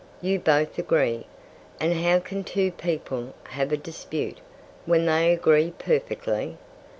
"You both agree. And how can two people have a dispute, when they agree perfectly?